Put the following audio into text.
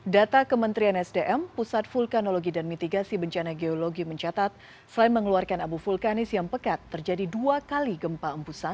data kementerian sdm pusat vulkanologi dan mitigasi bencana geologi mencatat selain mengeluarkan abu vulkanis yang pekat terjadi dua kali gempa embusan